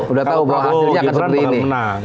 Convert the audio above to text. udah tahu bahwa gibran akan menang